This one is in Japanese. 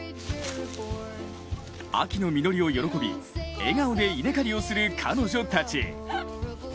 秋の実りを喜び笑顔で稲刈りをする彼女たち。